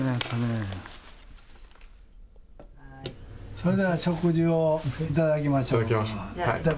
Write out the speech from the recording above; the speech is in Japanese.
それでは食事を頂きましょう。